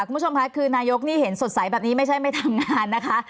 คุณผู้ชมค่ะคือนายกนี่เห็นสดใสแบบนี้ไม่ใช่ไม่ทำงานนะคะ